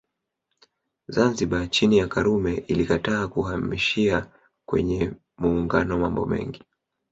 Zanzibar chini ya Karume ilikataa kuhamishia kwenye Muungano mambo mengi